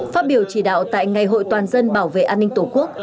phát biểu chỉ đạo tại ngày hội toàn dân bảo vệ an ninh tổ quốc